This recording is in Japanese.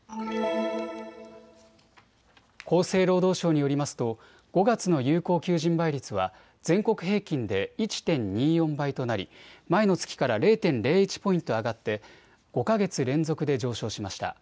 厚生労働省によりますと５月の有効求人倍率は全国平均で１．２４倍となり前の月から０．０１ポイント上がって５か月連続で上昇しました。